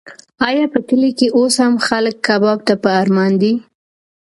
ایا په کلي کې اوس هم خلک کباب ته په ارمان دي؟